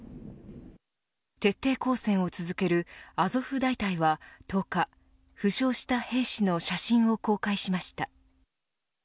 徹底抗戦を続けるアゾフ大隊は１０日負傷した兵士の写真を公開しました。